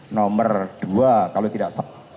nomor dua kalau tidak dua ribu dua puluh dua